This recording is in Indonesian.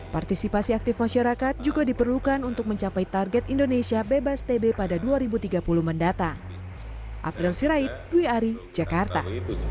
partisipasi aktif masyarakat juga diperlukan untuk mencapai target indonesia bebas tb pada dua ribu tiga puluh mendatang